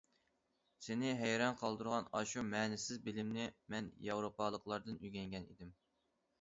سېنى ھەيران قالدۇرغان ئاشۇ مەنىسىز بىلىمنى مەن ياۋروپالىقلاردىن ئۆگەنگەن ئىدىم.